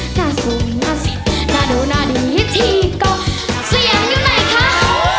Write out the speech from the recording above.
หน้าสูงหน้าสิบหน้าดูหน้าดีที่ก็เสียอยู่ในข้าง